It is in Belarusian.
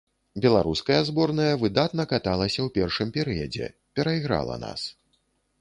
Беларуская зборная выдатна каталася ў першым перыядзе, перайграла нас.